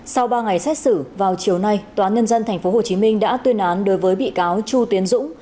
sau ba ngày xét xử vào chiều nay tòa nhân dân tp hcm đã tuyên án đối với bị cáo chu tiến dũng